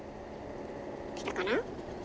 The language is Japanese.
来たかな？